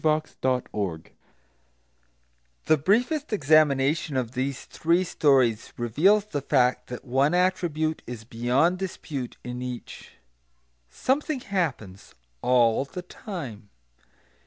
The briefest examination of these three stories reveals the fact that one attribute is beyond dispute in each. Something happens, all the time.